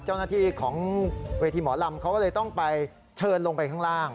เจ้าหน้าที่ของเวทีหมอลำเขาก็เลยต้องไปเชิญลงไปข้างล่าง